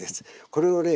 これをね